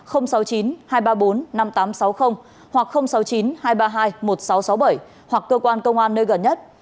hoặc sáu mươi chín hai trăm ba mươi hai một nghìn sáu trăm sáu mươi bảy hoặc cơ quan công an nơi gần nhất